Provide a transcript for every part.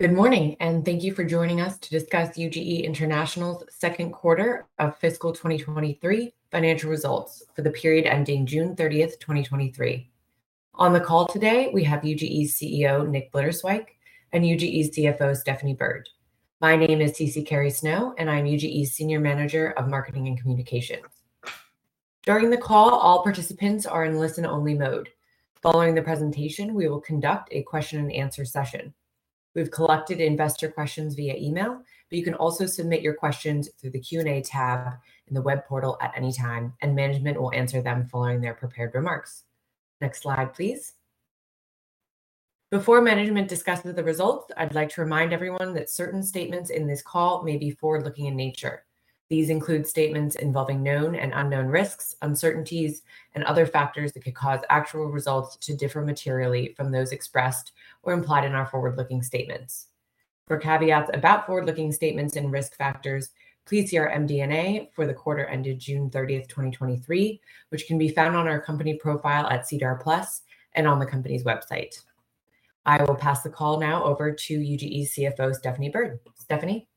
Good morning, and thank you for joining us to discuss UGE International's second quarter of fiscal 2023 financial results for the period ending June 30, 2023. On the call today, we have UGE's CEO, Nick Blitterswyk, and UGE's CFO, Stephanie Bird. My name is CeCe Carey-Snow, and I'm UGE's Senior Manager of Marketing and Communications. During the call, all participants are in listen-only mode. Following the presentation, we will conduct a question and answer session. We've collected investor questions via email, but you can also submit your questions through the Q&A tab in the web portal at any time, and management will answer them following their prepared remarks. Next slide, please. Before management discusses the results, I'd like to remind everyone that certain statements in this call may be forward-looking in nature. These include statements involving known and unknown risks, uncertainties, and other factors that could cause actual results to differ materially from those expressed or implied in our forward-looking statements. For caveats about forward-looking statements and risk factors, please see our MD&A for the quarter ended June 30, 2023, which can be found on our company profile at SEDAR+ and on the company's website. I will pass the call now over to UGE CFO, Stephanie Bird. Stephanie?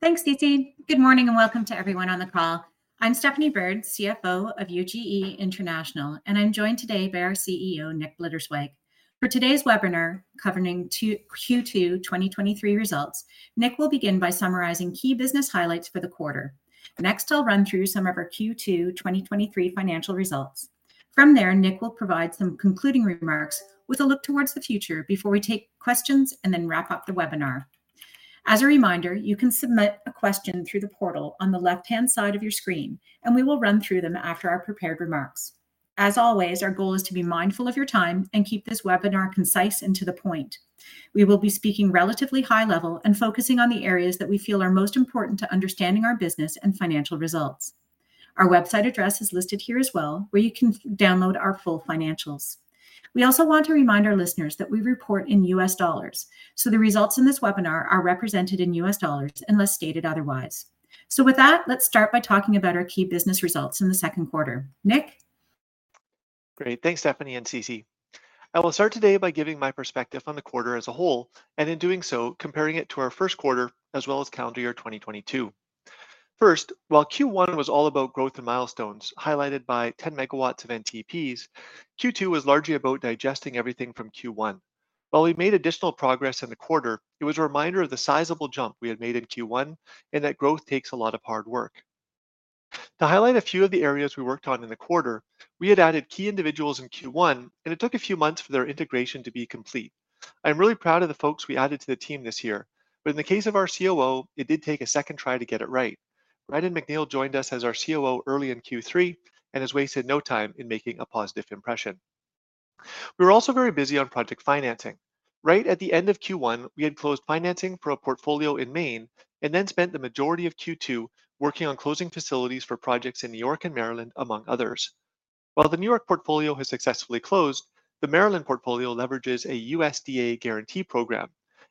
Thanks, CeCe. Good morning, and welcome to everyone on the call. I'm Stephanie Bird, CFO of UGE International, and I'm joined today by our CEO, Nick Blitterswyk. For today's webinar, covering Q2 2023 results, Nick will begin by summarizing key business highlights for the quarter. Next, I'll run through some of our Q2 2023 financial results. From there, Nick will provide some concluding remarks with a look towards the future before we take questions and then wrap up the webinar. As a reminder, you can submit a question through the portal on the left-hand side of your screen, and we will run through them after our prepared remarks. As always, our goal is to be mindful of your time and keep this webinar concise and to the point. We will be speaking relatively high level and focusing on the areas that we feel are most important to understanding our business and financial results. Our website address is listed here as well, where you can download our full financials. We also want to remind our listeners that we report in US dollars, so the results in this webinar are represented in US dollars unless stated otherwise. So with that, let's start by talking about our key business results in the second quarter. Nick? Great. Thanks, Stephanie and CeCe. I will start today by giving my perspective on the quarter as a whole, and in doing so, comparing it to our first quarter as well as calendar year 2022. First, while Q1 was all about growth and milestones, highlighted by 10 MW of NTPs, Q2 was largely about digesting everything from Q1. While we made additional progress in the quarter, it was a reminder of the sizable jump we had made in Q1 and that growth takes a lot of hard work. To highlight a few of the areas we worked on in the quarter, we had added key individuals in Q1, and it took a few months for their integration to be complete. I'm really proud of the folks we added to the team this year, but in the case of our COO, it did take a second try to get it right. Brandon McNeil joined us as our COO early in Q3 and has wasted no time in making a positive impression. We were also very busy on project financing. Right at the end of Q1, we had closed financing for a portfolio in Maine and then spent the majority of Q2 working on closing facilities for projects in New York and Maryland, among others. While the New York portfolio has successfully closed, the Maryland portfolio leverages a USDA guarantee program.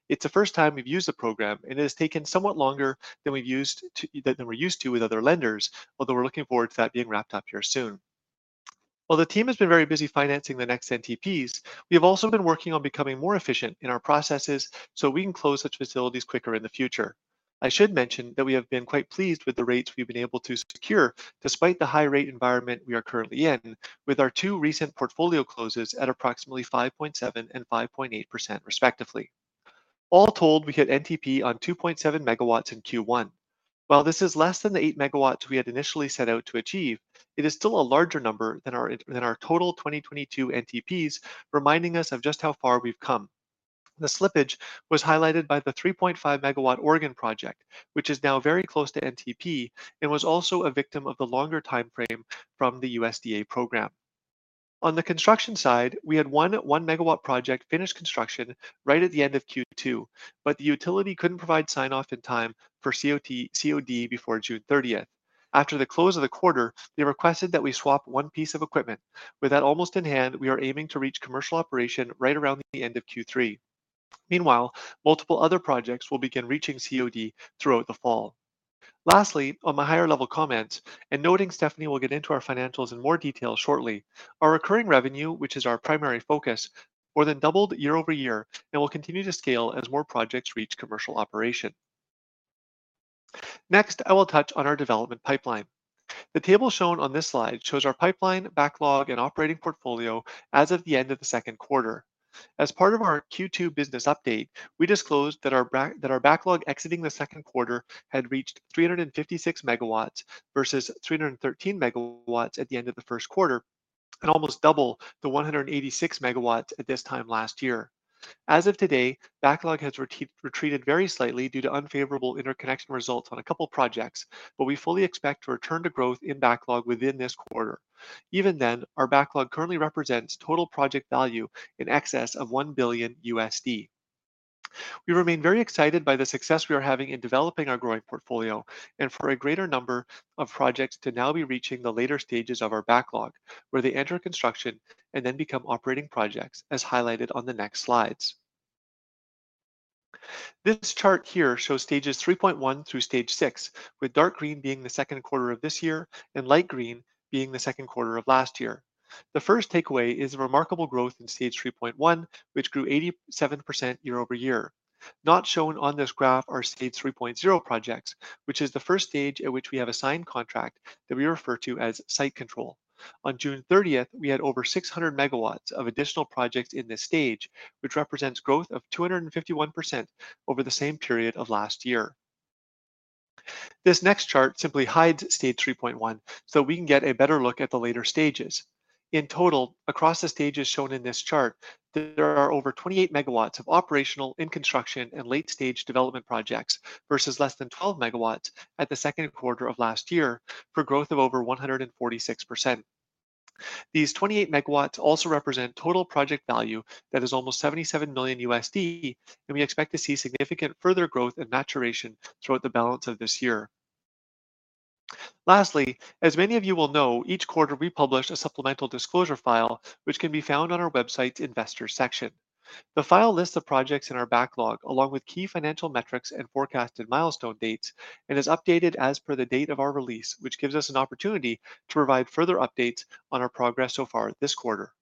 It's the first time we've used the program, and it has taken somewhat longer than we're used to with other lenders, although we're looking forward to that being wrapped up here soon. While the team has been very busy financing the next NTPs, we have also been working on becoming more efficient in our processes so we can close such facilities quicker in the future. I should mention that we have been quite pleased with the rates we've been able to secure despite the high rate environment we are currently in, with our two recent portfolio closes at approximately 5.7% and 5.8%, respectively. All told, we hit NTP on 2.7 MW in Q1. While this is less than the 8 MW we had initially set out to achieve, it is still a larger number than our total 2022 NTPs, reminding us of just how far we've come. The slippage was highlighted by the 3.5 MW Oregon project, which is now very close to NTP and was also a victim of the longer timeframe from the USDA program. On the construction side, we had 1 MW project finish construction right at the end of Q2, but the utility couldn't provide sign-off in time for COD before June 30th. After the close of the quarter, they requested that we swap one piece of equipment. With that almost in hand, we are aiming to reach commercial operation right around the end of Q3. Meanwhile, multiple other projects will begin reaching COD throughout the fall. Lastly, on my higher-level comments, and noting Stephanie will get into our financials in more detail shortly, our recurring revenue, which is our primary focus, more than doubled year-over-year and will continue to scale as more projects reach commercial operation. Next, I will touch on our development pipeline. The table shown on this slide shows our pipeline, backlog, and operating portfolio as of the end of the second quarter. As part of our Q2 business update, we disclosed that our backlog exiting the second quarter had reached 356 MW versus 313 MW at the end of the first quarter, and almost double the 186 MW at this time last year. As of today, backlog has retreated very slightly due to unfavorable interconnection results on a couple of projects, but we fully expect to return to growth in backlog within this quarter. Even then, our backlog currently represents total project value in excess of $1 billion. We remain very excited by the success we are having in developing our growing portfolio and for a greater number of projects to now be reaching the later stages of our backlog, where they enter construction and then become operating projects, as highlighted on the next slides. This chart here shows Stages 3.1 through Stage 6, with dark green being the second quarter of this year and light green being the second quarter of last year. The first takeaway is a remarkable growth in stage 3.1, which grew 87% year-over-year. Not shown on this graph are stage 3.0 projects, which is the first stage at which we have a signed contract that we refer to as site control. On June 30th, we had over 600 MW of additional projects in this stage, which represents growth of 251% over the same period of last year. This next chart simply hides stage 3.1, so we can get a better look at the later stages. In total, across the stages shown in this chart, there are over 28 MW of operational, in construction, and late-stage development projects, versus less than 12 MW at the second quarter of last year, for growth of over 146%. These 28 MW also represent total project value that is almost $77 million, and we expect to see significant further growth and maturation throughout the balance of this year. Lastly, as many of you will know, each quarter we publish a supplemental disclosure file, which can be found on our website's investor section. The file lists the projects in our backlog, along with key financial metrics and forecasted milestone dates, and is updated as per the date of our release, which gives us an opportunity to provide further updates on our progress so far this quarter.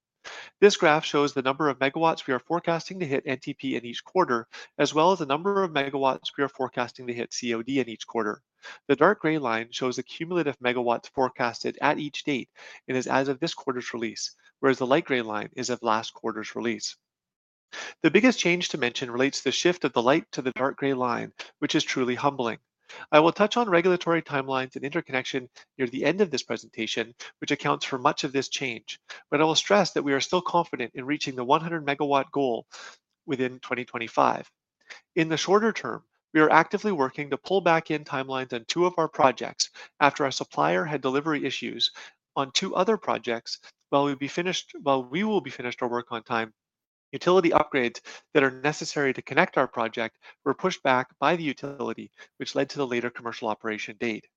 This graph shows the number of megawatts we are forecasting to hit NTP in each quarter, as well as the number of megawatts we are forecasting to hit COD in each quarter. The dark gray line shows the cumulative megawatts forecasted at each date and is as of this quarter's release, whereas the light gray line is of last quarter's release. The biggest change to mention relates to the shift of the light to the dark gray line, which is truly humbling. I will touch on regulatory timelines and interconnection near the end of this presentation, which accounts for much of this change, but I will stress that we are still confident in reaching the 100 MW goal within 2025. In the shorter term, we are actively working to pull back in timelines on two of our projects after our supplier had delivery issues on two other projects. While we will be finished our work on time, utility upgrades that are necessary to connect our project were pushed back by the utility, which led to the later commercial operation date.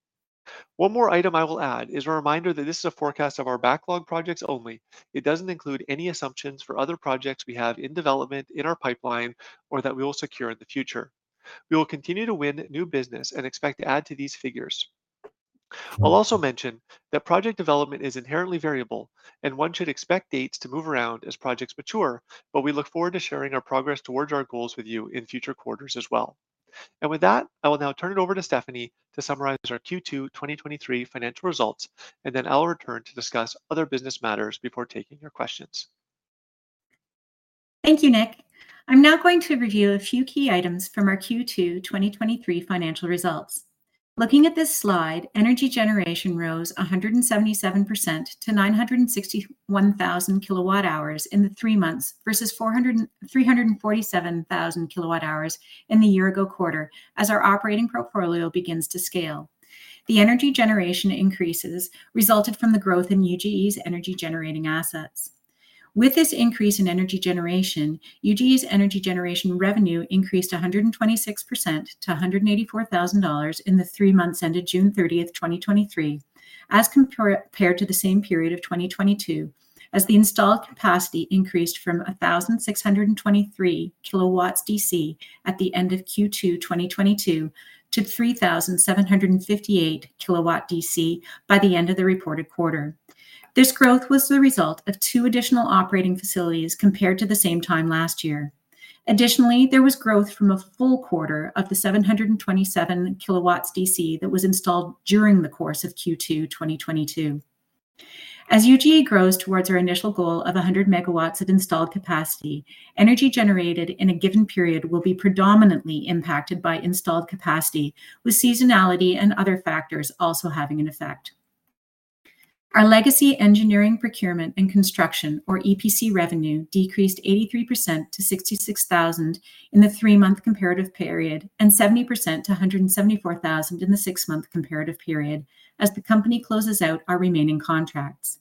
One more item I will add is a reminder that this is a forecast of our backlog projects only. It doesn't include any assumptions for other projects we have in development, in our pipeline, or that we will secure in the future. We will continue to win new business and expect to add to these figures. I'll also mention that project development is inherently variable, and one should expect dates to move around as projects mature, but we look forward to sharing our progress towards our goals with you in future quarters as well. With that, I will now turn it over to Stephanie to summarize our Q2 2023 financial results, and then I'll return to discuss other business matters before taking your questions. Thank you, Nick. I'm now going to review a few key items from our Q2 2023 financial results. Looking at this slide, energy generation rose 177% to 961,000 kWh in the three months versus 347,000 kWh in the year ago quarter as our operating portfolio begins to scale. The energy generation increases resulted from the growth in UGE's energy generating assets. With this increase in energy generation, UGE's energy generation revenue increased 126% to $184,000 in the three months ended June 30, 2023, as compared to the same period of 2022, as the installed capacity increased from 1,623 kW DC at the end of Q2 2022 to 3,758 kW DC by the end of the reported quarter. This growth was the result of 2 additional operating facilities compared to the same time last year. Additionally, there was growth from a full quarter of the 727 kW DC that was installed during the course of Q2 2022. As UGE grows towards our initial goal of 100 MW of installed capacity, energy generated in a given period will be predominantly impacted by installed capacity, with seasonality and other factors also having an effect. Our legacy engineering, procurement, and construction, or EPC revenue, decreased 83% to $66,000 in the three-month comparative period and 70% to $174,000 in the six-month comparative period as the company closes out our remaining contracts.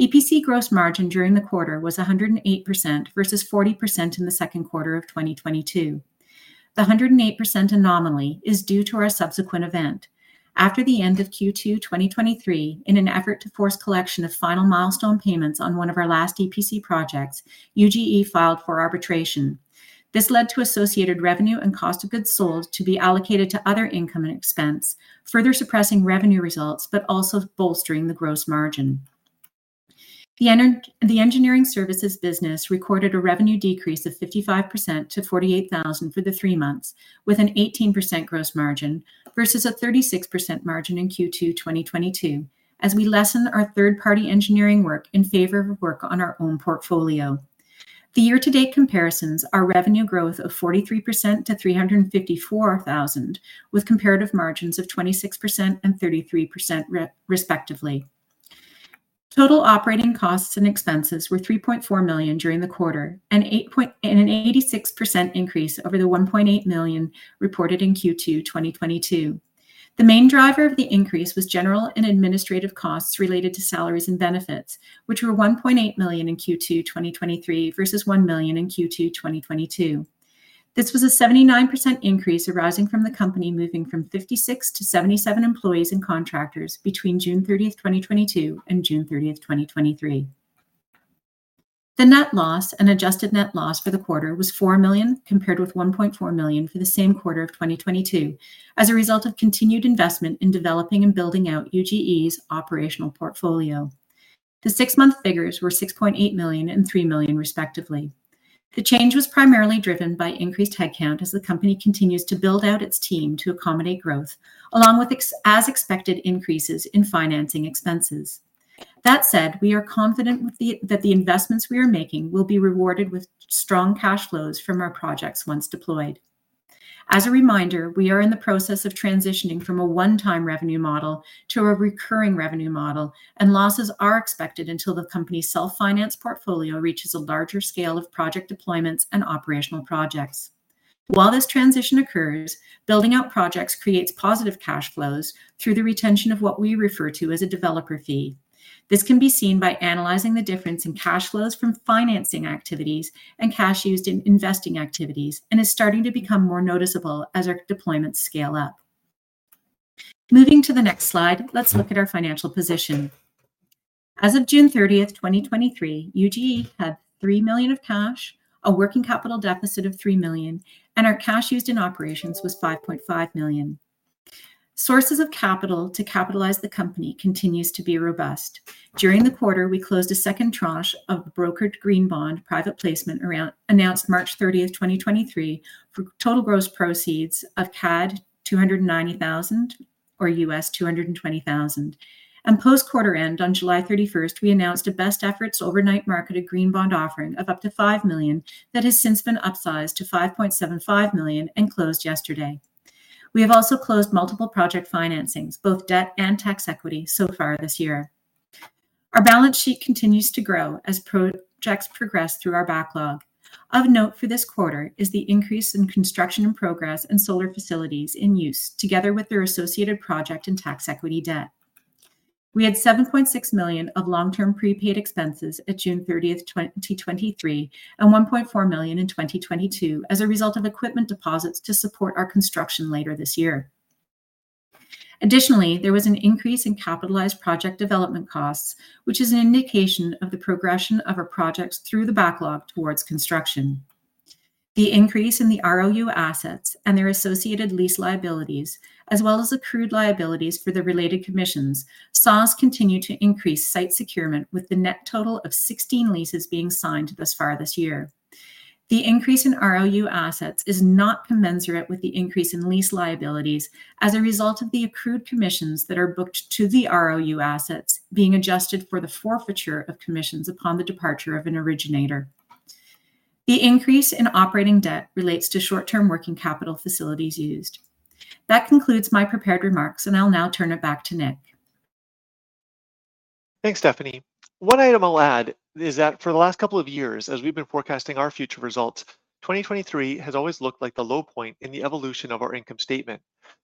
EPC gross margin during the quarter was 108% versus 40% in the second quarter of 2022. The 108% anomaly is due to our subsequent event. After the end of Q2 2023, in an effort to force collection of final milestone payments on one of our last EPC projects, UGE filed for arbitration. This led to associated revenue and cost of goods sold to be allocated to other income and expense, further suppressing revenue results, but also bolstering the gross margin. The engineering services business recorded a revenue decrease of 55% to $48,000 for the three months, with an 18% gross margin versus a 36% margin in Q2 2022, as we lessen our third-party engineering work in favor of work on our own portfolio. The year-to-date comparisons are revenue growth of 43% to $354,000, with comparative margins of 26% and 33% respectively. Total operating costs and expenses were $3.4 million during the quarter, an 86% increase over the $1.8 million reported in Q2 2022. The main driver of the increase was general and administrative costs related to salaries and benefits, which were $1.8 million in Q2 2023 versus $1 million in Q2 2022. This was a 79% increase arising from the company moving from 56-77 employees and contractors between June 30th, 2022, and June 30th, 2023. The net loss and adjusted net loss for the quarter was $4 million, compared with $1.4 million for the same quarter of 2022, as a result of continued investment in developing and building out UGE's operational portfolio. The six-month figures were $6.8 million and $3 million, respectively. The change was primarily driven by increased headcount as the company continues to build out its team to accommodate growth, along with as expected, increases in financing expenses. That said, we are confident that the investments we are making will be rewarded with strong cash flows from our projects once deployed. As a reminder, we are in the process of transitioning from a one-time revenue model to a recurring revenue model, and losses are expected until the company's self-finance portfolio reaches a larger scale of project deployments and operational projects. While this transition occurs, building out projects creates positive cash flows through the retention of what we refer to as a Developer Fee. This can be seen by analyzing the difference in cash flows from financing activities and cash used in investing activities, and is starting to become more noticeable as our deployments scale up. Moving to the next slide, let's look at our financial position. As of June 30th, 2023, UGE had $3 million of cash, a working capital deficit of $3 million, and our cash used in operations was $5.5 million. Sources of capital to capitalize the company continues to be robust. During the quarter, we closed a second tranche of brokered green bond private placement announced March 30th, 2023, for total gross proceeds of CAD 290,000 or $220,000. Post-quarter end, on July 31st, we announced a best efforts overnight marketed green bond offering of up to $5 million that has since been upsized to $5.75 million and closed yesterday. We have also closed multiple project financings, both debt and tax equity, so far this year. Our balance sheet continues to grow as projects progress through our backlog. Of note for this quarter is the increase in Construction and Progress in solar facilities in use, together with their associated project and tax equity debt. We had $7.6 million of long-term prepaid expenses at June 30th, 2023, and $1.4 million in 2022, as a result of equipment deposits to support our construction later this year. Additionally, there was an increase in capitalized project development costs, which is an indication of the progression of our projects through the backlog towards construction. The increase in the ROU Assets and their associated lease liabilities, as well as accrued liabilities for the related commissions, SaaS continue to increase site securement, with the net total of 16 leases being signed thus far this year. The increase in ROU Assets is not commensurate with the increase in lease liabilities as a result of the accrued commissions that are booked to the ROU Assets being adjusted for the forfeiture of commissions upon the departure of an originator. The increase in operating debt relates to short-term working capital facilities used. That concludes my prepared remarks, and I'll now turn it back to Nick. Thanks, Stephanie. One item I'll add is that for the last couple of years, as we've been forecasting our future results, 2023 has always looked like the low point in the evolution of our income statement.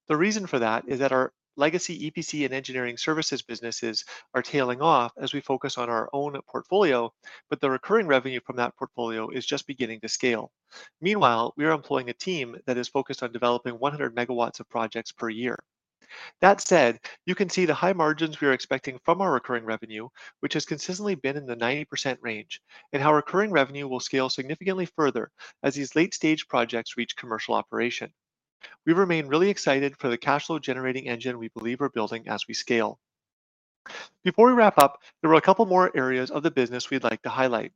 The reason for that is that our legacy EPC and engineering services businesses are tailing off as we focus on our own portfolio, but the recurring revenue from that portfolio is just beginning to scale. Meanwhile, we are employing a team that is focused on developing 100 MW of projects per year. That said, you can see the high margins we are expecting from our recurring revenue, which has consistently been in the 90% range, and how recurring revenue will scale significantly further as these late-stage projects reach commercial operation. We remain really excited for the cash flow generating engine we believe we're building as we scale. Before we wrap up, there are a couple more areas of the business we'd like to highlight.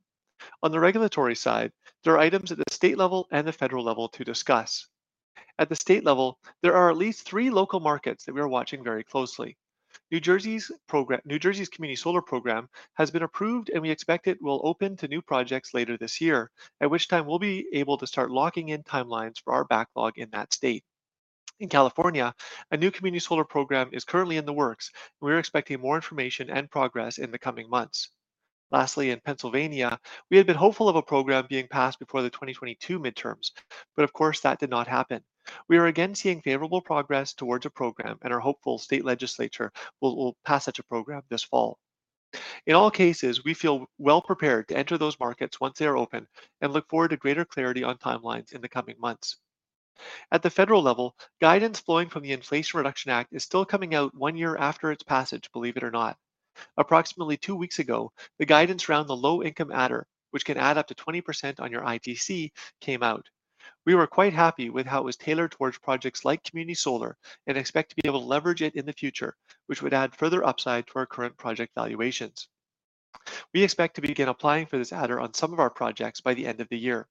On the regulatory side, there are items at the state level and the federal level to discuss. At the state level, there are at least three local markets that we are watching very closely. New Jersey's community solar program has been approved, and we expect it will open to new projects later this year, at which time we'll be able to start locking in timelines for our backlog in that state. In California, a new community solar program is currently in the works. We're expecting more information and progress in the coming months. Lastly, in Pennsylvania, we had been hopeful of a program being passed before the 2022 midterms, but of course, that did not happen. We are again seeing favorable progress towards a program and are hopeful state legislature will pass such a program this fall. In all cases, we feel well prepared to enter those markets once they are open and look forward to greater clarity on timelines in the coming months. At the federal level, guidance flowing from the Inflation Reduction Act is still coming out one year after its passage, believe it or not. Approximately two weeks ago, the guidance around the low-income adder, which can add up to 20% on your ITC, came out. We were quite happy with how it was tailored towards projects like community solar and expect to be able to leverage it in the future, which would add further upside to our current project valuations. We expect to begin applying for this adder on some of our projects by the end of the year.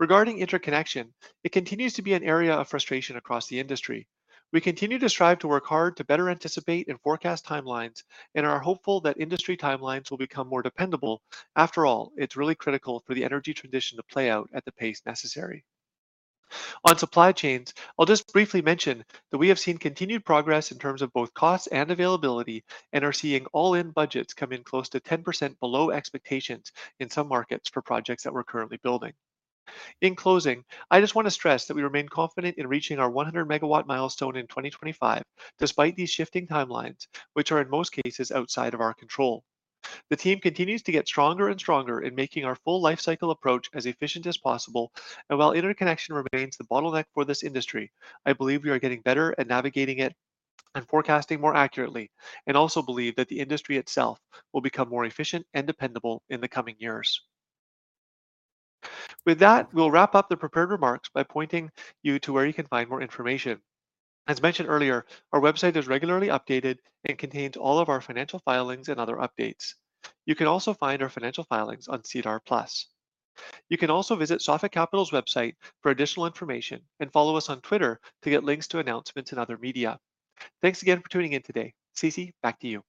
Regarding interconnection, it continues to be an area of frustration across the industry. We continue to strive to work hard to better anticipate and forecast timelines and are hopeful that industry timelines will become more dependable. After all, it's really critical for the energy transition to play out at the pace necessary. On supply chains, I'll just briefly mention that we have seen continued progress in terms of both cost and availability and are seeing all-in budgets come in close to 10% below expectations in some markets for projects that we're currently building. In closing, I just want to stress that we remain confident in reaching our 100 MW milestone in 2025, despite these shifting timelines, which are, in most cases, outside of our control. The team continues to get stronger and stronger in making our full life cycle approach as efficient as possible, and while interconnection remains the bottleneck for this industry, I believe we are getting better at navigating it... and forecasting more accurately, and also believe that the industry itself will become more efficient and dependable in the coming years. With that, we'll wrap up the prepared remarks by pointing you to where you can find more information. As mentioned earlier, our website is regularly updated and contains all of our financial filings and other updates. You can also find our financial filings on SEDAR+. You can also visit Sophic Capital's website for additional information, and follow us on Twitter to get links to announcements and other media. Thanks again for tuning in today. CeCe, back to you.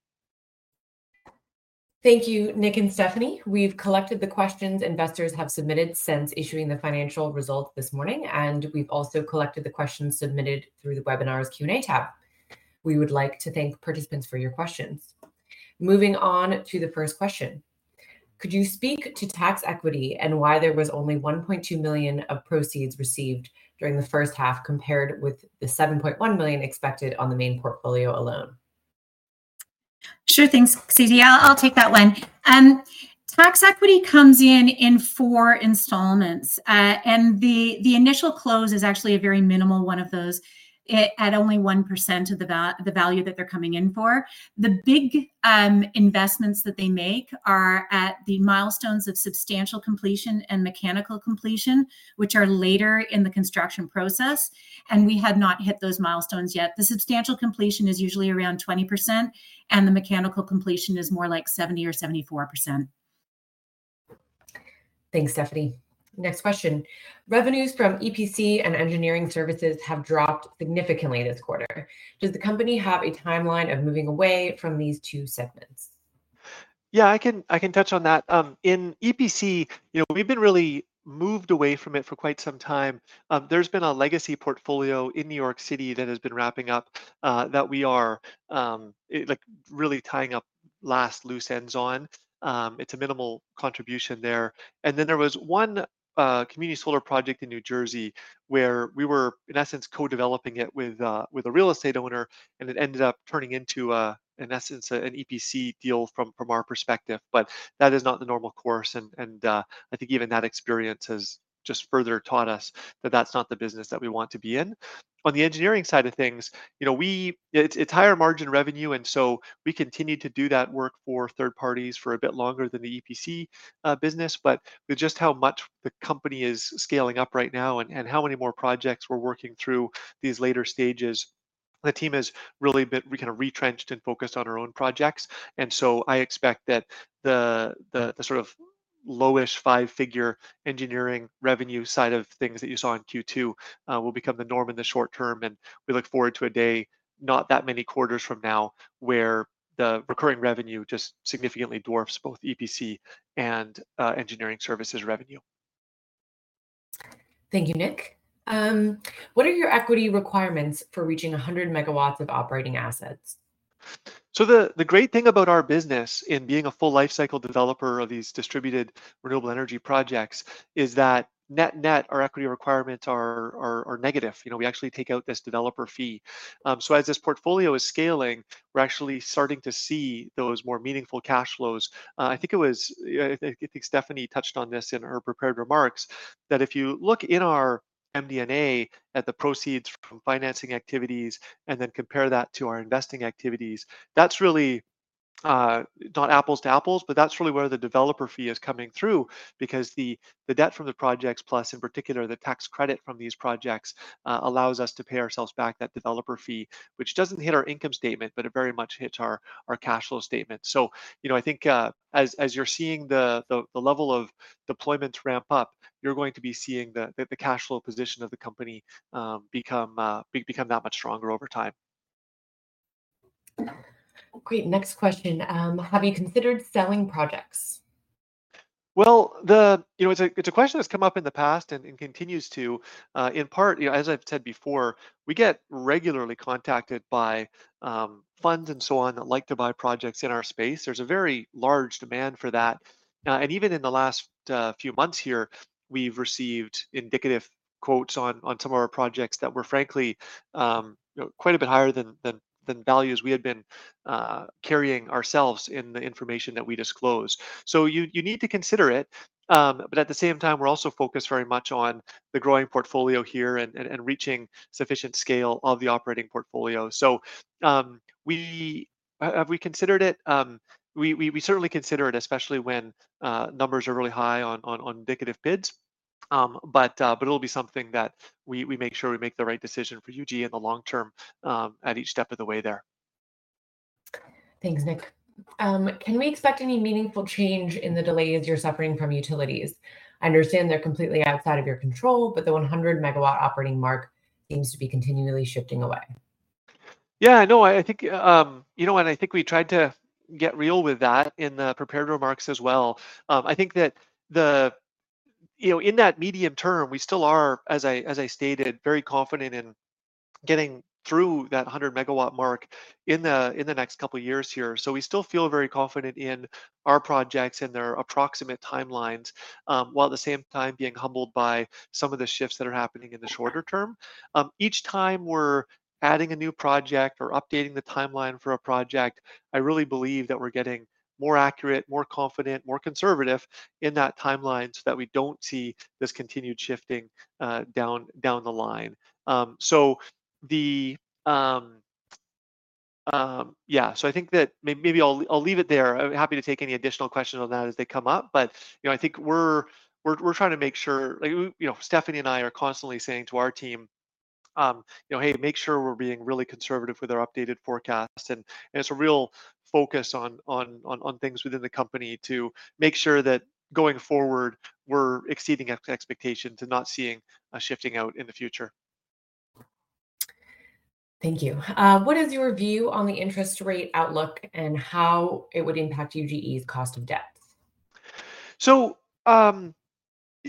Thank you, Nick and Stephanie. We've collected the questions investors have submitted since issuing the financial results this morning, and we've also collected the questions submitted through the webinar's Q&A tab. We would like to thank participants for your questions. Moving on to the first question: Could you speak to tax equity and why there was only $1.2 million of proceeds received during the first half, compared with the $7.1 million expected on the main portfolio alone? Sure thing, CeCe. I'll take that one. Tax equity comes in four installments. And the initial close is actually a very minimal one of those, at only 1% of the value that they're coming in for. The big investments that they make are at the milestones of substantial completion and mechanical completion, which are later in the construction process, and we have not hit those milestones yet. The substantial completion is usually around 20%, and the mechanical completion is more like 70% or 74%. Thanks, Stephanie. Next question: Revenues from EPC and engineering services have dropped significantly this quarter. Does the company have a timeline of moving away from these two segments? Yeah, I can, I can touch on that. In EPC, you know, we've been really moved away from it for quite some time. There's been a legacy portfolio in New York City that has been wrapping up, that we are, like, really tying up last loose ends on. It's a minimal contribution there. And then there was one, community solar project in New Jersey where we were, in essence, co-developing it with a, with a real estate owner, and it ended up turning into a, in essence, an EPC deal from, from our perspective. But that is not the normal course, and, and, I think even that experience has just further taught us that that's not the business that we want to be in. On the engineering side of things, you know, we... It's higher margin revenue, and so we continue to do that work for third parties for a bit longer than the EPC business. But with just how much the company is scaling up right now and how many more projects we're working through these later stages, the team has really been, we kinda retrenched and focused on our own projects. And so I expect that the sort of lowest five-figure engineering revenue side of things that you saw in Q2 will become the norm in the short term, and we look forward to a day, not that many quarters from now, where the recurring revenue just significantly dwarfs both EPC and engineering services revenue. Thank you, Nick. What are your equity requirements for reaching 100 MW of operating assets? So the great thing about our business in being a full lifecycle developer of these distributed renewable energy projects is that net net, our equity requirements are negative. You know, we actually take out this Developer Fee. So as this portfolio is scaling, we're actually starting to see those more meaningful cash flows. I think Stephanie touched on this in her prepared remarks, that if you look in our MD&A at the proceeds from financing activities and then compare that to our investing activities, that's really not apples to apples, but that's really where the Developer Fee is coming through. Because the debt from the projects, plus, in particular, the tax credit from these projects, allows us to pay ourselves back that developer fee, which doesn't hit our income statement, but it very much hits our cash flow statement. So, you know, I think, as you're seeing the level of deployments ramp up, you're going to be seeing the cash flow position of the company become that much stronger over time. Great. Next question. Have you considered selling projects? Well, you know, it's a question that's come up in the past and continues to. In part, you know, as I've said before, we get regularly contacted by funds and so on that like to buy projects in our space. There's a very large demand for that. And even in the last few months here, we've received indicative quotes on some of our projects that were, frankly, you know, quite a bit higher than values we had been carrying ourselves in the information that we disclosed. So you need to consider it, but at the same time, we're also focused very much on the growing portfolio here and reaching sufficient scale of the operating portfolio. So, have we considered it? We certainly consider it, especially when numbers are really high on indicative bids. But it'll be something that we make sure we make the right decision for UGE in the long term, at each step of the way there. Thanks, Nick. Can we expect any meaningful change in the delays you're suffering from utilities? I understand they're completely outside of your control, but the 100-megawatt operating mark seems to be continually shifting away. Yeah, no, I think you know what? I think we tried to get real with that in the prepared remarks as well. I think that the... You know, in that medium term, we still are, as I stated, very confident in getting through that 100 MW mark in the next couple of years here. So we still feel very confident in our projects and their approximate timelines, while at the same time being humbled by some of the shifts that are happening in the shorter term. Each time we're adding a new project or updating the timeline for a project, I really believe that we're getting more accurate, more confident, more conservative in that timeline, so that we don't see this continued shifting down the line. So the... Yeah, so I think that maybe I'll leave it there. I'm happy to take any additional questions on that as they come up, but, you know, I think we're trying to make sure like, we, you know, Stephanie and I are constantly saying to our team, you know, "Hey, make sure we're being really conservative with our updated forecasts." And it's a real focus on things within the company to make sure that going forward, we're exceeding expectations and not seeing a shifting out in the future. Thank you. What is your view on the interest rate outlook and how it would impact UGE's cost of debt? So,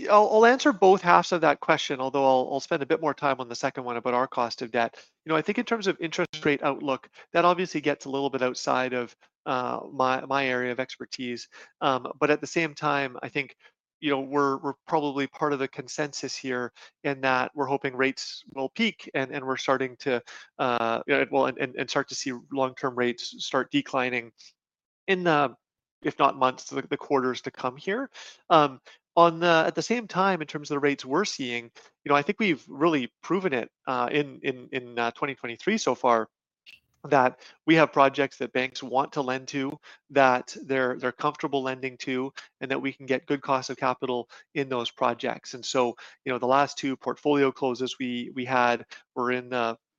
I'll answer both halves of that question, although I'll spend a bit more time on the second one about our cost of debt. You know, I think in terms of interest rate outlook, that obviously gets a little bit outside of my area of expertise. But at the same time, I think, you know, we're probably part of the consensus here in that we're hoping rates will peak, and we're starting to see long-term rates start declining in the, if not months, the quarters to come here. At the same time, in terms of the rates we're seeing, you know, I think we've really proven it in 2023 so far, that we have projects that banks want to lend to, that they're comfortable lending to, and that we can get good cost of capital in those projects. So, you know, the last two portfolio closes we had were in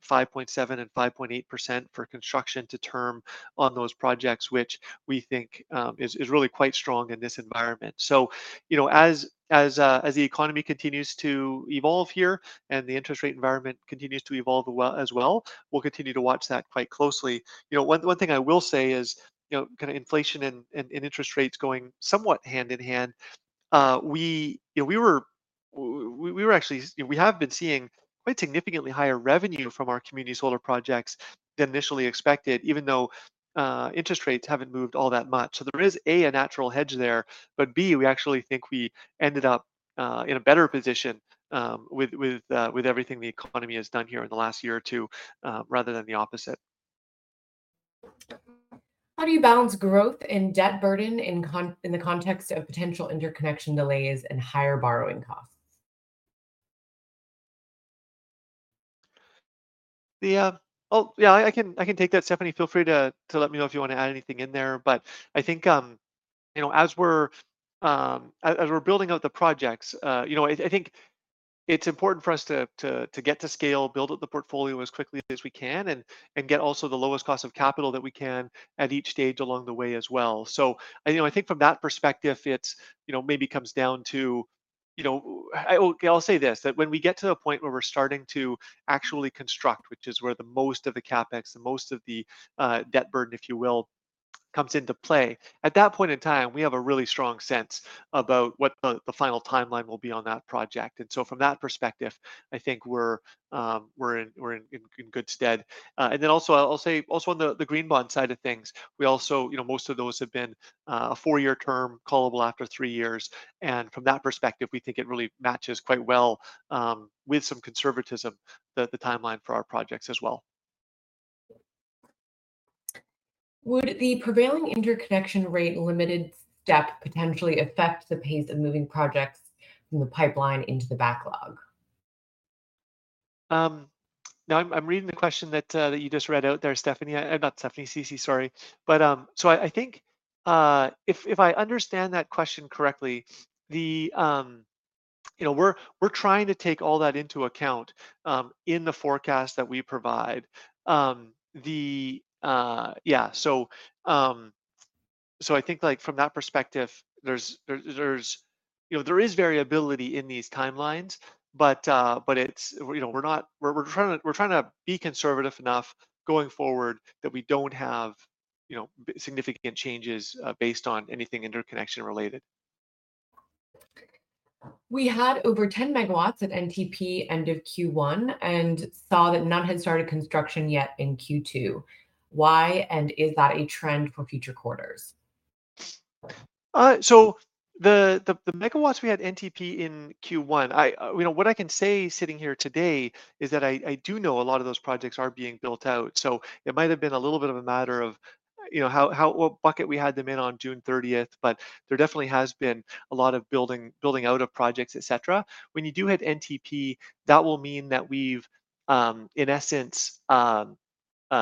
5.7% and 5.8% for construction to term on those projects, which we think is really quite strong in this environment. So, you know, as the economy continues to evolve here and the interest rate environment continues to evolve as well, we'll continue to watch that quite closely. You know, one thing I will say is, you know, kinda inflation and interest rates going somewhat hand in hand, we were actually... We have been seeing quite significantly higher revenue from our community solar projects than initially expected, even though interest rates haven't moved all that much. So there is, A, a natural hedge there, but, B, we actually think we ended up in a better position with everything the economy has done here in the last year or two rather than the opposite. How do you balance growth and debt burden in the context of potential interconnection delays and higher borrowing costs? Oh, yeah, I can, I can take that. Stephanie, feel free to let me know if you want to add anything in there. But I think, you know, as we're, as we're building out the projects, you know, I think it's important for us to get to scale, build up the portfolio as quickly as we can and get also the lowest cost of capital that we can at each stage along the way as well. So, you know, I think from that perspective, it's, you know, maybe comes down to, you know... Okay, I'll say this, that when we get to the point where we're starting to actually construct, which is where most of the CapEx and most of the debt burden, if you will, comes into play, at that point in time, we have a really strong sense about what the final timeline will be on that project. And so from that perspective, I think we're in good stead. And then also I'll say, also on the green bond side of things, we also, you know, most of those have been a four-year term, callable after three years, and from that perspective, we think it really matches quite well, with some conservatism, the timeline for our projects as well. Would the prevailing interconnection rate limited step potentially affect the pace of moving projects from the pipeline into the backlog? Now I'm reading the question that you just read out there, Stephanie. Not Stephanie, CeCe, sorry. But so I think, if I understand that question correctly, you know, we're trying to take all that into account in the forecast that we provide. Yeah, so I think, like, from that perspective, there's variability in these timelines, but it's, you know, we're not-- we're trying to be conservative enough going forward that we don't have significant changes based on anything interconnection related. We had over 10 MW at NTP end of Q1 and saw that none had started construction yet in Q2. Why, and is that a trend for future quarters? So the megawatts we had NTP in Q1, you know, what I can say sitting here today is that I do know a lot of those projects are being built out. So it might have been a little bit of a matter of, you know, how what bucket we had them in on June 30th, but there definitely has been a lot of building out of projects, et cetera. When you do hit NTP, that will mean that we've, in essence,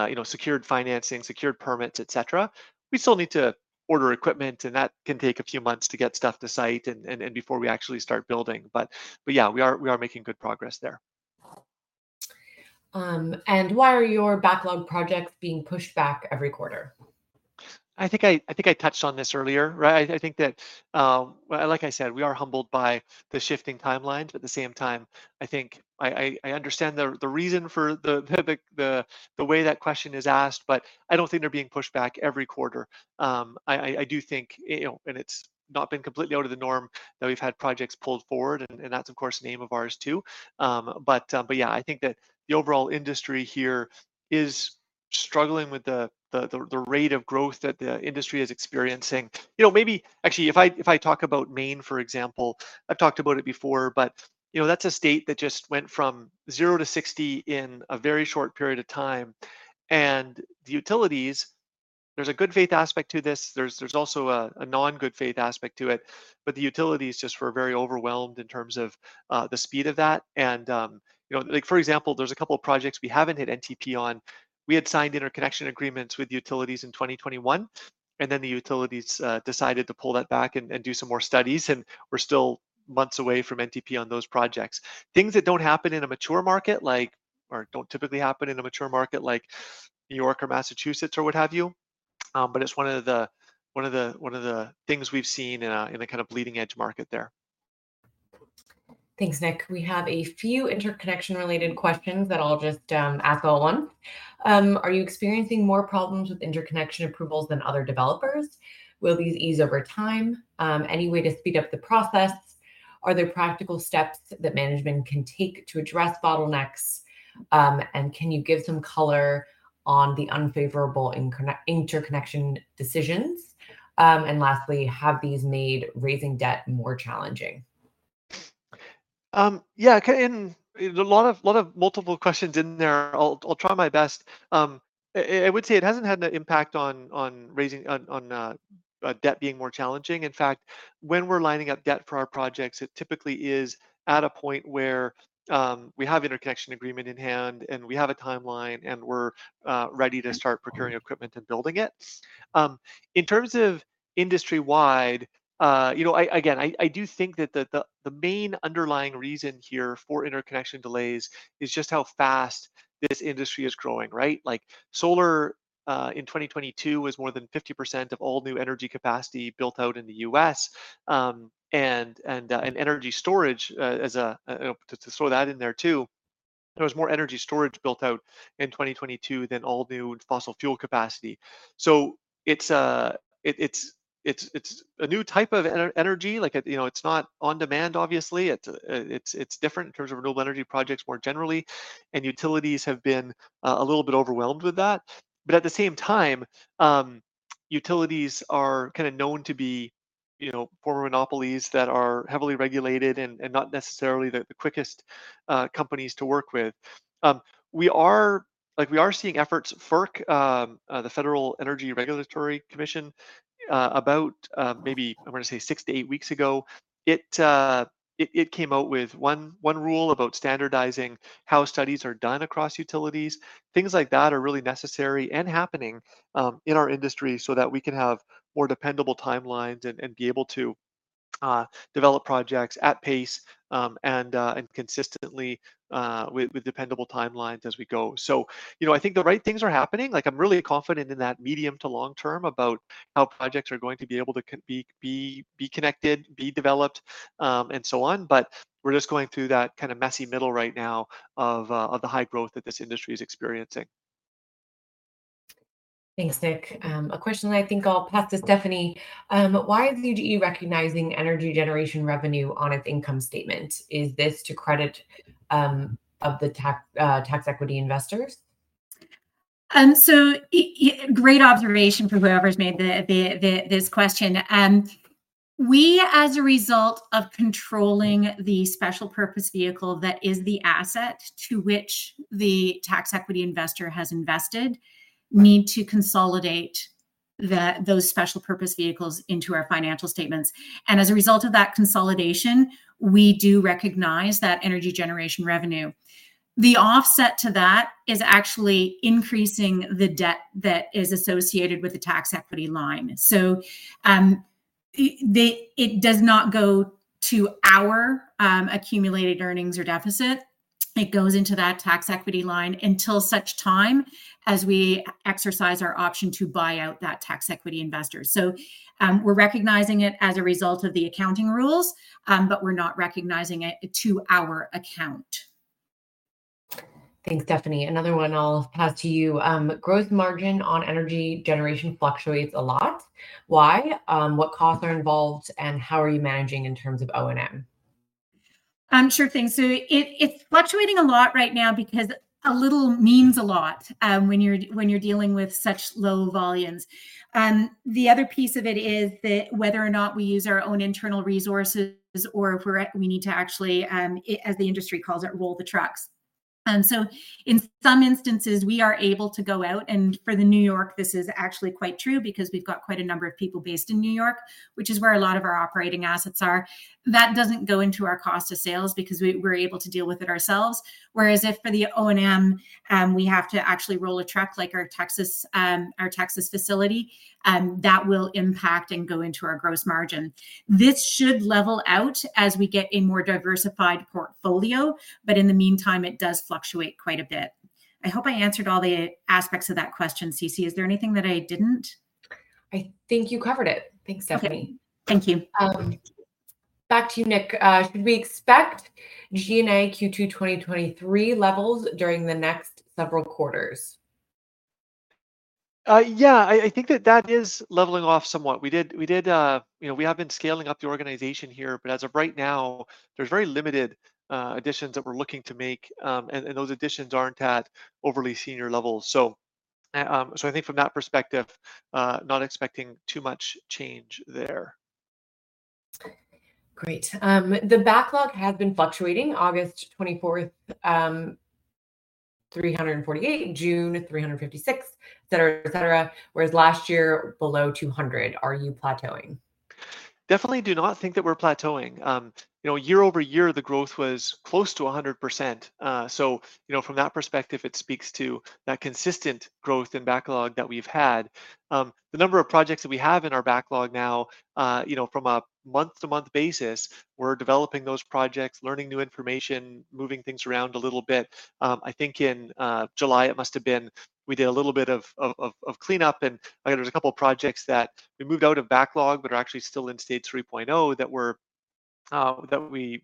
you know, secured financing, secured permits, et cetera. We still need to order equipment, and that can take a few months to get stuff to site and before we actually start building, but yeah, we are making good progress there. Why are your backlog projects being pushed back every quarter? I think I touched on this earlier, right? I think that, well, like I said, we are humbled by the shifting timelines, but at the same time, I think I understand the reason for the way that question is asked, but I don't think they're being pushed back every quarter. I do think, you know, and it's not been completely out of the norm, that we've had projects pulled forward, and that's, of course, an aim of ours, too. But yeah, I think that the overall industry here is struggling with the rate of growth that the industry is experiencing. You know, maybe... Actually, if I talk about Maine, for example, I've talked about it before, but, you know, that's a state that just went from zero to sixty in a very short period of time, and the utilities—there's a good faith aspect to this. There's also a non-good faith aspect to it, but the utilities just were very overwhelmed in terms of the speed of that. And, you know, like, for example, there's a couple of projects we haven't hit NTP on. We had signed interconnection agreements with utilities in 2021, and then the utilities decided to pull that back and do some more studies, and we're still months away from NTP on those projects. Things that don't happen in a mature market, like, or don't typically happen in a mature market like New York or Massachusetts or what have you, but it's one of the things we've seen in a kind of bleeding-edge market there. Thanks, Nick. We have a few interconnection-related questions that I'll just ask all at once. Are you experiencing more problems with interconnection approvals than other developers? Will these ease over time? Any way to speed up the process? Are there practical steps that management can take to address bottlenecks? And can you give some color on the unfavorable interconnection decisions? And lastly, have these made raising debt more challenging? Yeah, okay, and a lot of multiple questions in there. I'll try my best. I would say it hasn't had an impact on raising... on debt being more challenging. In fact, when we're lining up debt for our projects, it typically is at a point where we have interconnection agreement in hand, and we have a timeline, and we're ready to start procuring equipment and building it. In terms of industry-wide, you know, again, I do think that the main underlying reason here for interconnection delays is just how fast this industry is growing, right? Like, solar in 2022 was more than 50% of all new energy capacity built out in the U.S. And energy storage, to throw that in there too, there was more energy storage built out in 2022 than all new fossil fuel capacity. So it's a new type of energy, like, you know, it's not on demand, obviously. It's different in terms of renewable energy projects more generally, and utilities have been a little bit overwhelmed with that. But at the same time, utilities are kind of known to be, you know, former monopolies that are heavily regulated and not necessarily the quickest companies to work with. We are, like, seeing efforts. FERC, the Federal Energy Regulatory Commission, about, maybe, I want to say 6-8 weeks ago, it, it came out with one, one rule about standardizing how studies are done across utilities. Things like that are really necessary and happening, in our industry so that we can have more dependable timelines and, and be able to, develop projects at pace, and, and consistently, with, with dependable timelines as we go. So, you know, I think the right things are happening. Like, I'm really confident in that medium to long term about how projects are going to be able to connected, be developed, and so on. But we're just going through that kind of messy middle right now of, of the high growth that this industry is experiencing. Thanks, Nick. A question that I think I'll pass to Stephanie. Why is UGE recognizing energy generation revenue on its income statement? Is this to credit of the tax equity investors? Great observation for whoever's made this question. We, as a result of controlling the special purpose vehicle that is the asset to which the tax equity investor has invested, need to consolidate those special purpose vehicles into our financial statements. And as a result of that consolidation, we do recognize that energy generation revenue. The offset to that is actually increasing the debt that is associated with the tax equity line. So, it does not go to our accumulated earnings or deficit. It goes into that tax equity line until such time as we exercise our option to buy out that tax equity investor. So, we're recognizing it as a result of the accounting rules, but we're not recognizing it to our account. Thanks, Stephanie. Another one I'll pass to you. Growth margin on energy generation fluctuates a lot. Why? What costs are involved, and how are you managing in terms of O&M? Sure thing. So it's fluctuating a lot right now because a little means a lot, when you're dealing with such low volumes. The other piece of it is that whether or not we use our own internal resources or if we need to actually, as the industry calls it, roll the trucks. So in some instances, we are able to go out, and for New York, this is actually quite true because we've got quite a number of people based in New York, which is where a lot of our operating assets are. That doesn't go into our cost of sales because we're able to deal with it ourselves. Whereas if, for the O&M, we have to actually roll a truck like our Texas facility, that will impact and go into our gross margin. This should level out as we get a more diversified portfolio, but in the meantime, it does fluctuate quite a bit. I hope I answered all the aspects of that question, CeCe. Is there anything that I didn't? I think you covered it. Thanks, Stephanie. Okay. Thank you. Back to you, Nick. Should we expect G&A Q2 2023 levels during the next several quarters? Yeah, I think that that is leveling off somewhat. You know, we have been scaling up the organization here, but as of right now, there's very limited additions that we're looking to make, and those additions aren't at overly senior levels. So, I think from that perspective, not expecting too much change there.... Great. The backlog has been fluctuating, August 24th, 348, June, 356, et cetera, et cetera, whereas last year below 200. Are you plateauing? Definitely do not think that we're plateauing. You know, year over year, the growth was close to 100%. So, you know, from that perspective, it speaks to that consistent growth and backlog that we've had. The number of projects that we have in our backlog now, you know, from a month-to-month basis, we're developing those projects, learning new information, moving things around a little bit. I think in July, it must have been, we did a little bit of cleanup, and there was a couple projects that we moved out of backlog, but are actually still in Stage 3.0, that were that we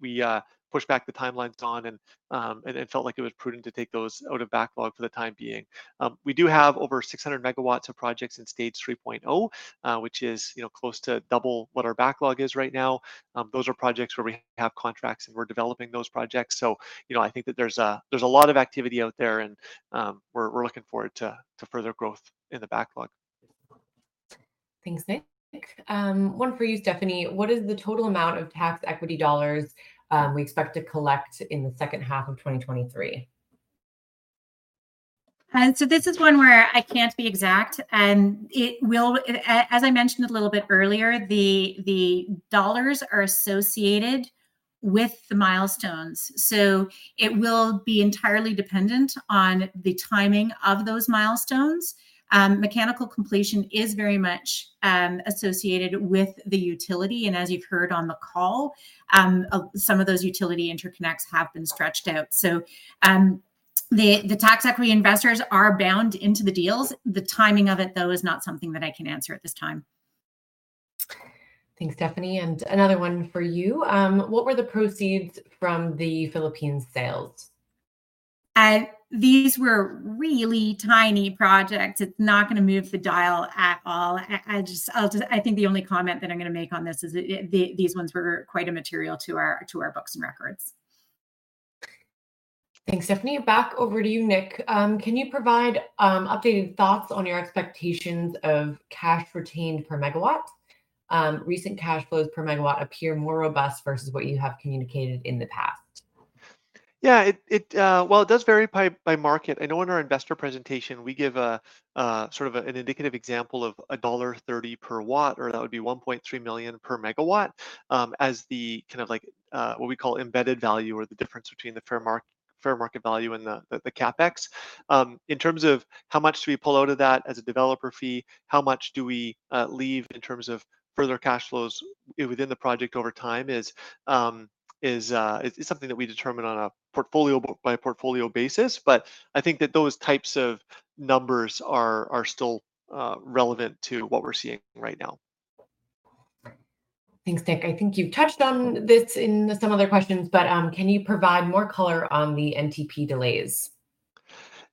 pushed back the timelines on, and it felt like it was prudent to take those out of backlog for the time being. We do have over 600 MW of projects in Stage 3.0, which is, you know, close to double what our backlog is right now. Those are projects where we have contracts, and we're developing those projects. So, you know, I think that there's a, there's a lot of activity out there, and, we're, we're looking forward to, to further growth in the backlog. Thanks, Nick. One for you, Stephanie. What is the total amount of Tax Equity dollars we expect to collect in the second half of 2023? So this is one where I can't be exact, and it will, as I mentioned a little bit earlier, the dollars are associated with the milestones, so it will be entirely dependent on the timing of those milestones. Mechanical completion is very much associated with the utility, and as you've heard on the call, some of those utility interconnects have been stretched out. So, the tax equity investors are bound into the deals. The timing of it, though, is not something that I can answer at this time. Thanks, Stephanie. Another one for you. What were the proceeds from the Philippines sales? These were really tiny projects. It's not going to move the dial at all. I just, I'll just—I think the only comment that I'm going to make on this is that these ones were quite immaterial to our books and records. Thanks, Stephanie. Back over to you, Nick. Can you provide updated thoughts on your expectations of cash retained per megawatt? Recent cash flows per megawatt appear more robust versus what you have communicated in the past. Yeah, well, it does vary by market. I know in our investor presentation, we give a sort of an indicative example of $1.30 per watt, or that would be $1.3 million per megawatt, as the kind of like what we call embedded value, or the difference between the fair market value and the CapEx. In terms of how much do we pull out of that as a developer fee, how much do we leave in terms of further cash flows within the project over time, is something that we determine on a portfolio by portfolio basis. But I think that those types of numbers are still relevant to what we're seeing right now. Thanks, Nick. I think you've touched on this in some other questions, but can you provide more color on the NTP delays?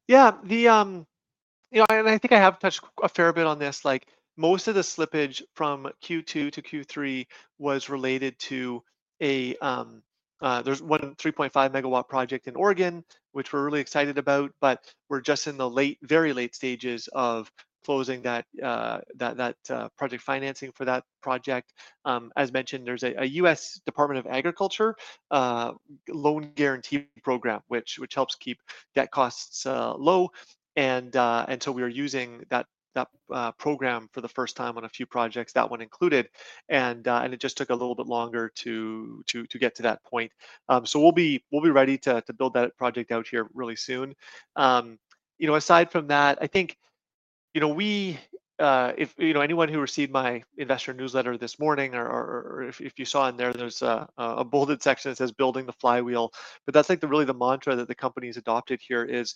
Yeah, you know, and I think I have touched a fair bit on this. Like, most of the slippage from Q2 to Q3 was related to a 3.5 MW project in Oregon, which we're really excited about, but we're just in the very late stages of closing that project financing for that project. As mentioned, there's a U.S. Department of Agriculture loan guarantee program, which helps keep debt costs low. And so we are using that program for the first time on a few projects, that one included. And it just took a little bit longer to get to that point. So we'll be ready to build that project out here really soon. You know, aside from that, I think, you know, if you know, anyone who received my investor newsletter this morning or if you saw in there, there's a bolded section that says, "Building the flywheel." But that's, like, really the mantra that the company's adopted here is,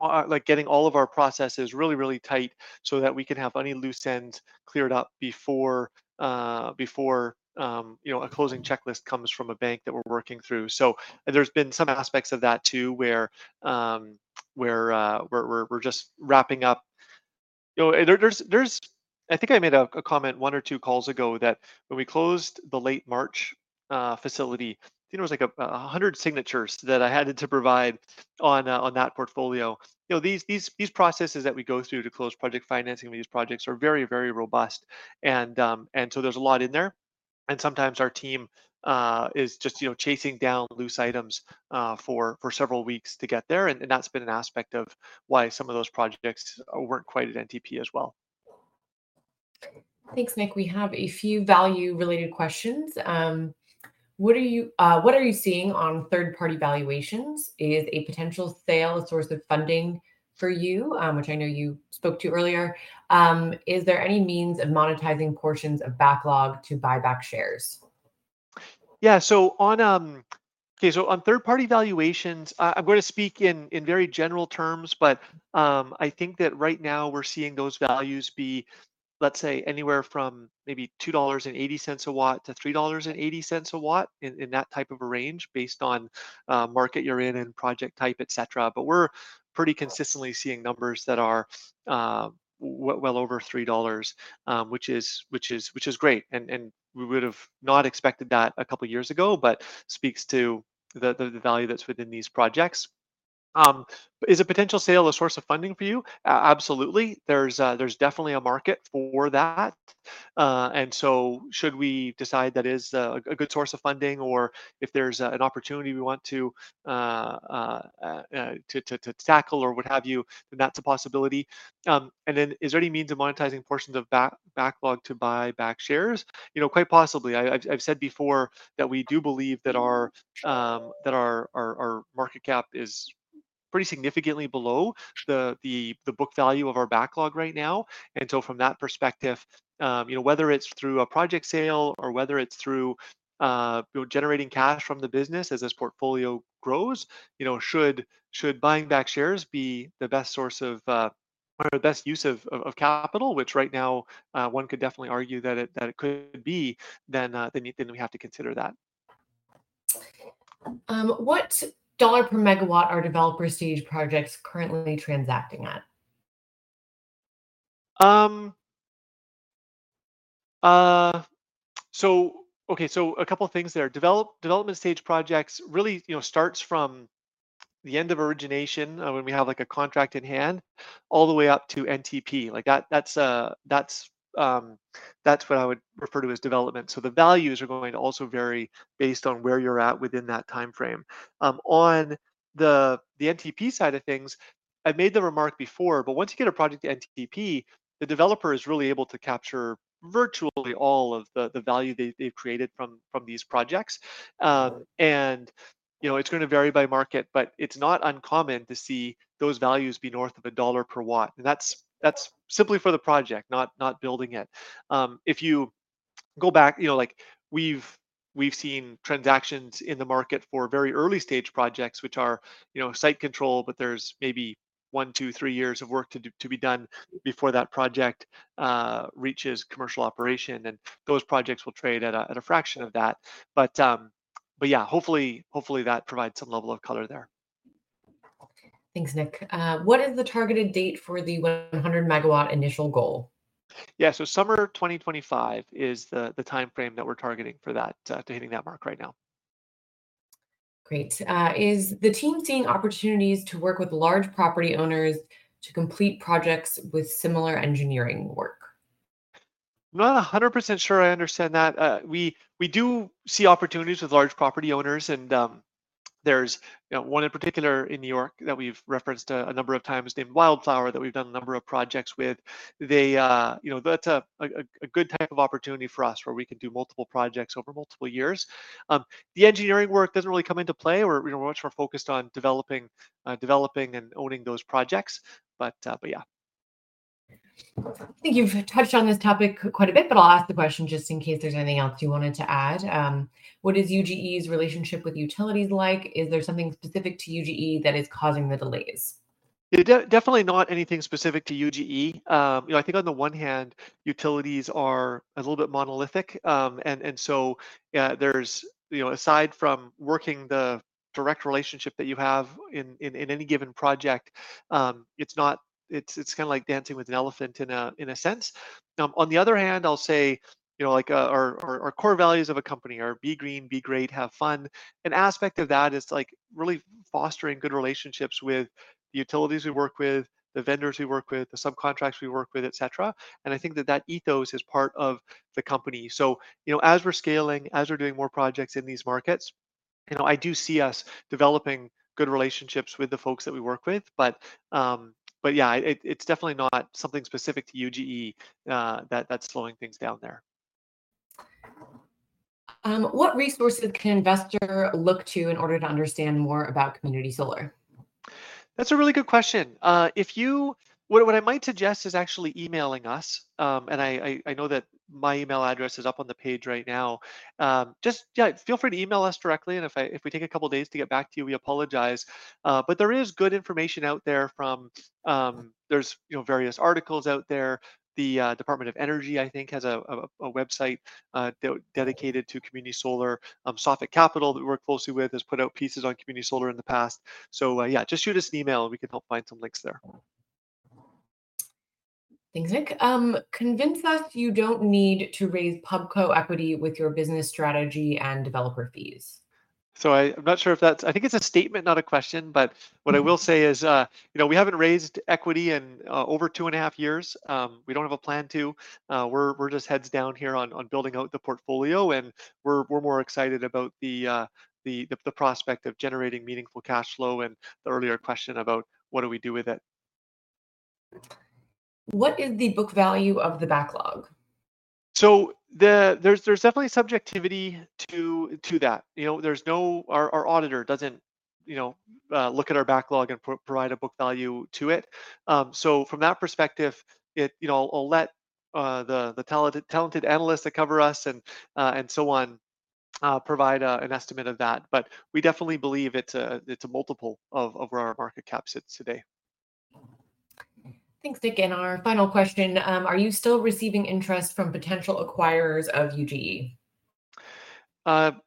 like, getting all of our processes really, really tight so that we can have any loose ends cleared up before you know, a closing checklist comes from a bank that we're working through. So there's been some aspects of that, too, where we're just wrapping up. You know, there's—I think I made a comment one or two calls ago that when we closed the late March facility, I think it was like 100 signatures that I had to provide on that portfolio. You know, these processes that we go through to close project financing on these projects are very, very robust. And so there's a lot in there, and sometimes our team is just you know chasing down loose items for several weeks to get there. And that's been an aspect of why some of those projects weren't quite at NTP as well. Thanks, Nick. We have a few value-related questions. What are you seeing on third-party valuations? Is a potential sale a source of funding for you? Which I know you spoke to earlier. Is there any means of monetizing portions of backlog to buy back shares? Yeah, so on third-party valuations, I'm going to speak in very general terms, but I think that right now we're seeing those values be, let's say, anywhere from maybe $2.80 a watt to $3.80 a watt, in that type of a range, based on market you're in and project type, et cetera. But we're pretty consistently seeing numbers that are well over $3, which is great, and we would have not expected that a couple of years ago, but speaks to the value that's within these projects. Is a potential sale a source of funding for you? Absolutely. There's definitely a market for that. And so should we decide that is a good source of funding or if there's an opportunity we want to tackle or what have you, then that's a possibility. And then is there any means of monetizing portions of backlog to buy back shares? You know, quite possibly. I've said before that we do believe that our market cap is pretty significantly below the book value of our backlog right now. And so from that perspective, you know, whether it's through a project sale or whether it's through generating cash from the business as this portfolio grows, you know, should buying back shares be the best source of or the best use of capital, which right now one could definitely argue that it could be, then we have to consider that. What dollar per megawatt are developer stage projects currently transacting at? So okay, so a couple things there. Development stage projects really, you know, starts from the end of origination, when we have, like, a contract in hand, all the way up to NTP. Like, that, that's what I would refer to as development. So the values are going to also vary based on where you're at within that time frame. On the NTP side of things, I made the remark before, but once you get a project to NTP, the developer is really able to capture virtually all of the value they've created from these projects. And, you know, it's going to vary by market, but it's not uncommon to see those values be north of $1 per watt. And that's simply for the project, not building it. If you go back... You know, like, we've seen transactions in the market for very early-stage projects, which are, you know, site control, but there's maybe one, two, three years of work to do to be done before that project reaches commercial operation, and those projects will trade at a fraction of that. But yeah, hopefully that provides some level of color there. Thanks, Nick. What is the targeted date for the 100 MW initial goal? Yeah, so summer 2025 is the time frame that we're targeting for that to hitting that mark right now. Great. Is the team seeing opportunities to work with large property owners to complete projects with similar engineering work? Not 100% sure I understand that. We do see opportunities with large property owners, and there's, you know, one in particular in New York that we've referenced a number of times named Wildflower, that we've done a number of projects with. They... You know, that's a good type of opportunity for us where we can do multiple projects over multiple years. The engineering work doesn't really come into play. We're, you know, much more focused on developing and owning those projects, but yeah. I think you've touched on this topic quite a bit, but I'll ask the question just in case there's anything else you wanted to add. What is UGE's relationship with utilities like? Is there something specific to UGE that is causing the delays? It definitely not anything specific to UGE. You know, I think on the one hand, utilities are a little bit monolithic. And so, there's... You know, aside from working the direct relationship that you have in any given project, it's not, it's kinda like dancing with an elephant in a sense. On the other hand, I'll say, you know, like, our core values of a company are be green, be great, have fun. An aspect of that is, like, really fostering good relationships with the utilities we work with, the vendors we work with, the subcontractors we work with, et cetera, and I think that that ethos is part of the company. So, you know, as we're scaling, as we're doing more projects in these markets, you know, I do see us developing good relationships with the folks that we work with. But yeah, it's definitely not something specific to UGE, that's slowing things down there. What resources can an investor look to in order to understand more about community solar? That's a really good question. What I might suggest is actually emailing us, and I know that my email address is up on the page right now. Just, yeah, feel free to email us directly, and if we take a couple days to get back to you, we apologize. But there is good information out there from. There's, you know, various articles out there. The Department of Energy, I think, has a website dedicated to community solar. Sophic Capital, that we work closely with, has put out pieces on community solar in the past. So, yeah, just shoot us an email, and we can help find some links there. Thanks, Nick. Convince us you don't need to raise pubco equity with your business strategy and developer fees. So, I'm not sure if that's... I think it's a statement, not a question, but- Mm-hmm... what I will say is, you know, we haven't raised equity in over two and a half years. We don't have a plan to. We're just heads down here on building out the portfolio, and we're more excited about the prospect of generating meaningful cash flow and the earlier question about what do we do with it. What is the book value of the backlog? So there's definitely subjectivity to that. You know, there's no... Our auditor doesn't, you know, look at our backlog and provide a book value to it. So from that perspective, it, you know, I'll let the talented analysts that cover us and so on provide an estimate of that. But we definitely believe it's a multiple of where our market cap sits today. Thanks, Nick, and our final question: are you still receiving interest from potential acquirers of UGE?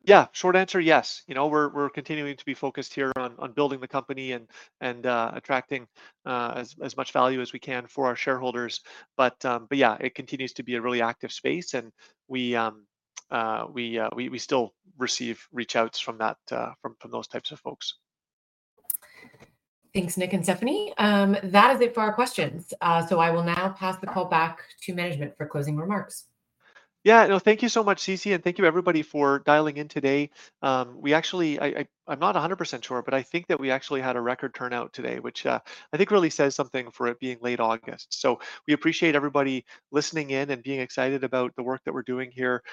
Yeah. Short answer, yes. You know, we're continuing to be focused here on building the company and attracting as much value as we can for our shareholders. But yeah, it continues to be a really active space, and we still receive reach-outs from that, from those types of folks. Thanks, Nick and Stephanie. That is it for our questions. So I will now pass the call back to management for closing remarks. Yeah. No, thank you so much, CeCe, and thank you, everybody, for dialing in today. We actually... I'm not 100% sure, but I think that we actually had a record turnout today, which I think really says something for it being late August. So we appreciate everybody listening in and being excited about the work that we're doing here.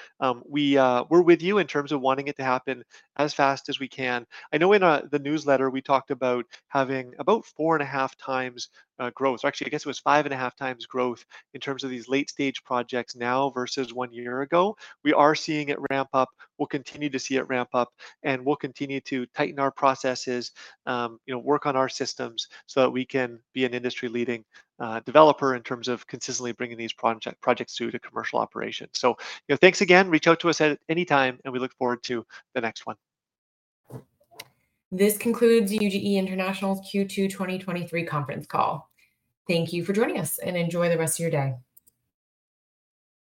We're with you in terms of wanting it to happen as fast as we can. I know in the newsletter, we talked about having about 4.5x growth, actually, I guess it was 5.5x growth in terms of these late-stage projects now versus one year ago. We are seeing it ramp up. We'll continue to see it ramp up, and we'll continue to tighten our processes, you know, work on our systems so that we can be an industry-leading developer in terms of consistently bringing these projects to commercial operation. So, you know, thanks again. Reach out to us at any time, and we look forward to the next one. This concludes UGE International's Q2 2023 conference call. Thank you for joining us, and enjoy the rest of your day.